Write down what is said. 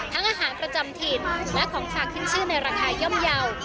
ทั้งอาหารประจำถิ่นและของฝากขึ้นชื่อในราคาเย่า